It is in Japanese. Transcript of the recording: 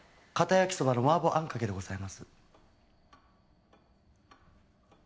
焼きそばの麻婆あんかけでございます。